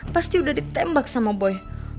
pasti udah ditembak sama boy